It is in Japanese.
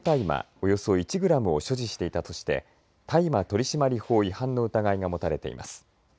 およそ１グラムを所持していたとして大麻取締法違反の疑いが持たれています。